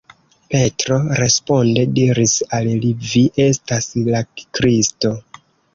Petro responde diris al li: Vi estas la Kristo.